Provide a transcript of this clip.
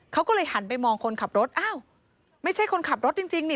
เขาก็เลยหันไปมองคนขับรถอ้าวไม่ใช่คนขับรถจริงนี่